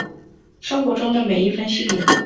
生活中的每一分细节